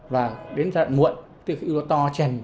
và đến giai đoạn muộn thì khối u to chèn